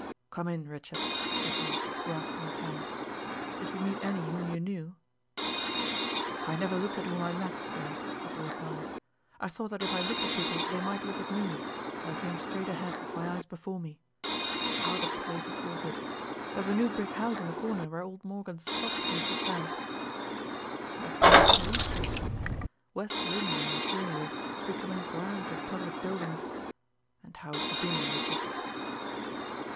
"Come in, Richard," said he, grasping his hand. "Did you meet any whom you knew?" "I never looked at whom I met, sir," was the reply. "I thought that if I looked at people, they might look at me, so I came straight ahead with my eyes before me. How the place has altered! There's a new brick house on the corner where old Morgan's shop used to stand." "That's the new police station. West Lynne I assure you, is becoming grand in public buildings. And how have you been, Richard?"